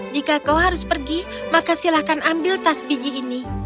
jika kau harus pergi maka silahkan ambil tas biji ini